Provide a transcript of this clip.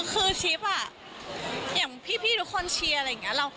คือทริปอย่างพี่ทุกคนเชียร์อะไรอย่างนี้